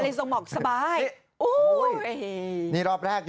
อลิสงบอกสบาย